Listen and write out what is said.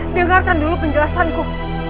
dengarkan dulu penjelasanku